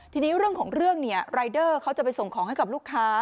ทีนี้เรื่องของเรื่องเนี่ยรายเดอร์เขาจะไปส่งของให้กับลูกค้า